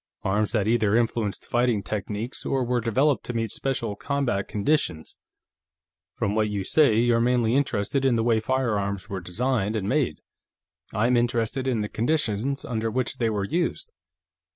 Arms that either influenced fighting techniques, or were developed to meet special combat conditions. From what you say, you're mainly interested in the way firearms were designed and made; I'm interested in the conditions under which they were used.